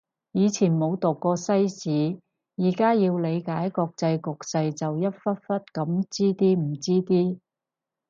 以前冇讀過西史，而家要理解國際局勢就一忽忽噉知啲唔知啲